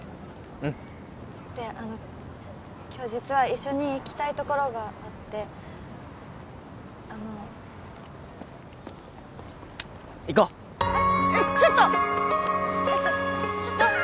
うんであの今日実は一緒に行きたいところがあってあの行こうえっちょっと！